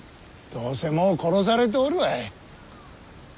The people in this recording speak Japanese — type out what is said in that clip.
どうせもう殺されておるわい。